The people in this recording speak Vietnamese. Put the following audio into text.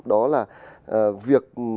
đó là việc